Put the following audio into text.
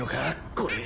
これ。